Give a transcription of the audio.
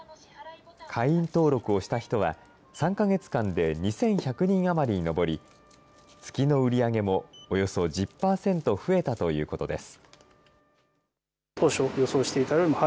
会員登録をした人は、３か月間で２１００人余りに上り、月の売り上げもおよそ１０％増えたということです。